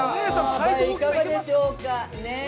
いかがでしょうか。